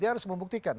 dia harus membuktikan